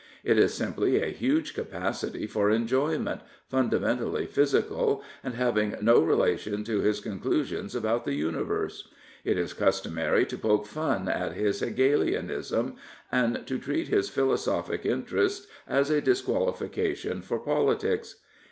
It is simply a huge capacity for enjoyment, funda mentally physical, and having no relation to his con clusions about the universe. It is customary to poke fun at his Hegelianism and to treat his philosophic interests as a disqualification for politics.